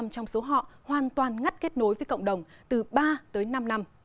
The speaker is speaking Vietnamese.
bảy mươi trong số họ hoàn toàn ngắt kết nối với cộng đồng từ ba tới năm năm